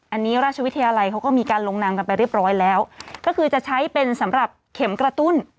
อันนี้ราชวิทยาลัยเขาก็มีการลงนามกันไปเรียบร้อยแล้วก็คือจะใช้เป็นสำหรับเข็มกระตุ้น